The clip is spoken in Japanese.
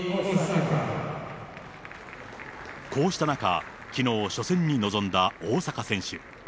こうした中、きのう、初戦に臨んだ大坂選手。